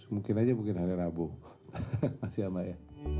mungkin aja mungkin hari rabu makasih ya mbak ya